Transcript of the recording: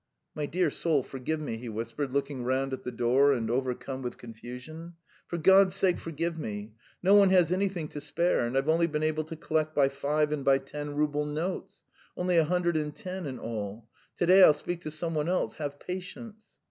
"My dear soul, forgive me," he whispered, looking round at the door and overcome with confusion. "For God's sake, forgive me! No one has anything to spare, and I've only been able to collect by five and by ten rouble notes. ... Only a hundred and ten in all. To day I'll speak to some one else. Have patience."